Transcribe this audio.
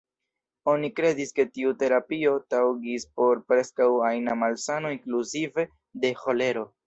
Oni kredis ke tiu terapio taŭgis por preskaŭ ajna malsano inkluzive de ĥolero.